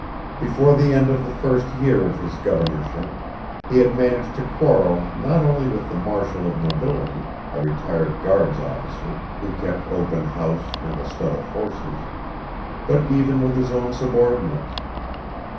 Before the end of the first year of his governorship, he had managed to quarrel not only with the marshal of nobility, a retired guards officer, who kept open house and a stud of horses, but even with his own subordinates.